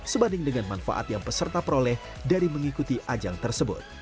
sebanding dengan manfaat yang peserta peroleh dari mengikuti ajang tersebut